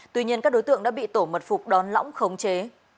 tuy nhiên các đối tượng đã bị tổ mật phục đón lõng khống chế